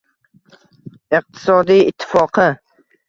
iqtisodiy ittifoqi